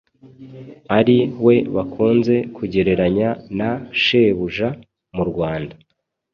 ari we bakunze kugereranya na "shebuja" mu Rwanda.